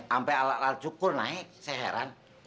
sampai alat alat cukur naik saya heran